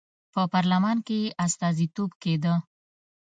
په پارلمان کې یې استازیتوب کېده.